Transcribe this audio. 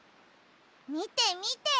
みてみて！